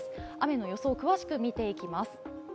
雨の予想、詳しく見ていきます。